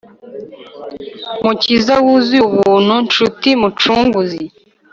mukiza wuzuye ubuntu nshuti mucunguzi